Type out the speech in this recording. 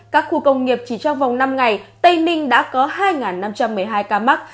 các khu công nghiệp chỉ trong vòng năm ngày tây ninh đã có hai năm trăm một mươi hai ca mắc